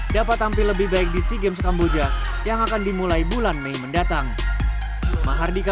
dapat tampil lebih baik di sea games kamboja yang akan dimulai bulan mei mendatang